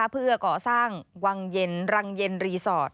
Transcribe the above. เพื่อก่อสร้างวังเย็นรังเย็นรีสอร์ท